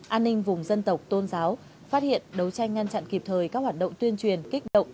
an ninh vùng dân tộc tôn giáo phát hiện đấu tranh ngăn chặn kịp thời các hoạt động tuyên truyền kích động